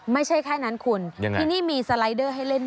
ไม่ใช่แค่นั้นคุณยังไงที่นี่มีสไลเดอร์ให้เล่น